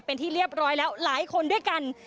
เป็นที่เรียบร้อยแล้วหลายคนด้วยกัน